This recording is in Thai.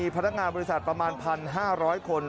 พนักงานบริษัทประมาณ๑๕๐๐คน